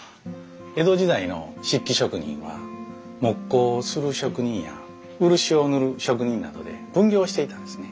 江戸時代の漆器職人は木工をする職人や漆を塗る職人などで分業していたんですね。